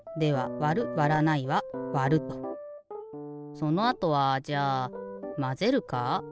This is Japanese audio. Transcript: そのあとはじゃあまぜるか？